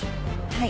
はい。